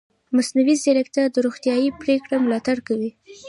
مصنوعي ځیرکتیا د روغتیايي پریکړو ملاتړ کوي.